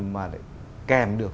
mà kèm được